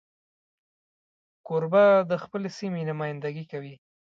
کوربه د خپلې سیمې نمایندګي کوي.